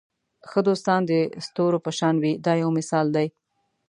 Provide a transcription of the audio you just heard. ښه دوستان د ستورو په شان وي دا یو مثال دی.